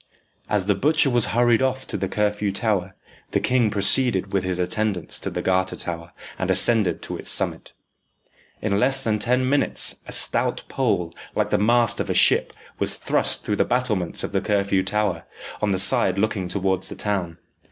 As the butcher was hurried off to the Curfew Tower, the king proceeded with his attendants to the Garter Tower, and ascended to its summit. In less than ten minutes a stout pole, like the mast of a ship, was thrust through the battlements of the Curfew Tower, on the side looking towards the town.